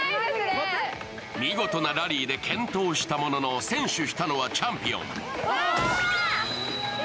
見事なラリーで健闘したものの先取したのはチャンピオン。